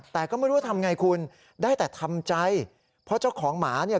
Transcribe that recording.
แต่ก็ไม่รู้ว่าทำไงคุณได้แต่ทำใจเพราะเจ้าของหมาเนี่ย